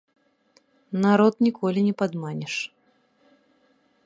Народ ніколі не падманеш.